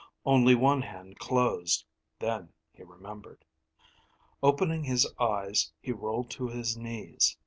Only one hand closed; then he remembered. Opening his eyes, he rolled to his knees.